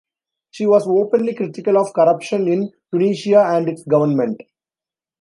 She was openly critical of corruption in Tunisia and its government.